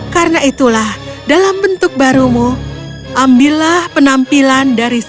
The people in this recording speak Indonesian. karena itulah dalam bentuk barumu ambillah penampilan dari seorang